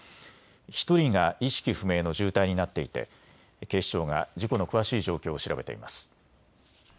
１人が意識不明の重体になっていて警視庁が事故の詳しい状況を調べています。